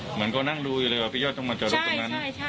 เหมือนเขานั่งดูอยู่เลยว่าพี่ยอดต้องมาจอดรถตรงนั้น